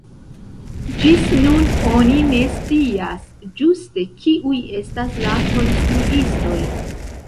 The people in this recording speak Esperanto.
Ĝis nun oni ne scias ĝuste kiuj estas la konstruistoj.